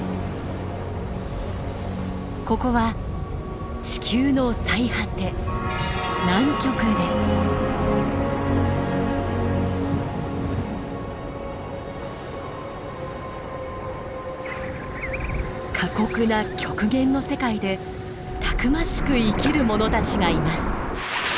ここは地球の最果て過酷な極限の世界でたくましく生きるものたちがいます。